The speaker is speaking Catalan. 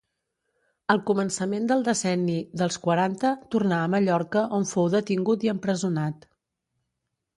Al començament del decenni dels quaranta tornà a Mallorca on fou detingut i empresonat.